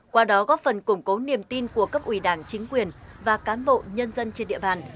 qua đó góp phần củng cố niềm tin của cấp ủy đảng chính quyền và cán bộ nhân dân trên địa bàn